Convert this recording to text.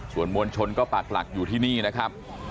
ส่วนมวลชนก็ปากหลักอยู่ที่นี่นะครับ